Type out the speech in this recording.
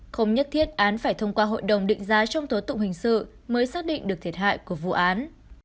không nhất thiết án phải thông qua hội đồng định giá trong tố tụng hình sự mới xác định được thiệt hại của vụ án